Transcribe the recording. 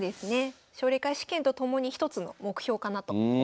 奨励会試験とともに一つの目標かなと思います。